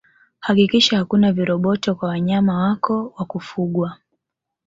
Hakikisha hakuna viroboto kwa wanyama wako wa kufugwaa